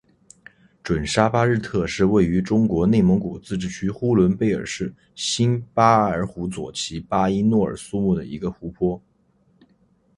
准沙巴日特是位于中国内蒙古自治区呼伦贝尔市新巴尔虎左旗巴音诺尔苏木的一个湖泊。